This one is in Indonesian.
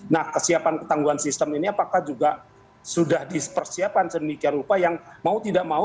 nah kesiapan ketangguhan sistem ini apakah juga sudah dipersiapkan sedemikian rupa yang mau tidak mau